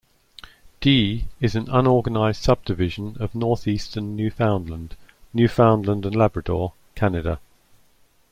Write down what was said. D is an unorganized subdivision in northeastern Newfoundland, Newfoundland and Labrador, Canada.